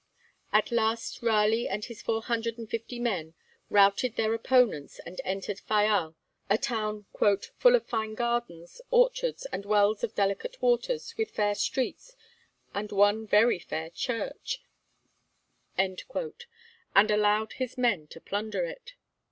At last Raleigh and his four hundred and fifty men routed their opponents and entered Fayal, a town 'full of fine gardens, orchards, and wells of delicate waters, with fair streets, and one very fair church;' and allowed his men to plunder it.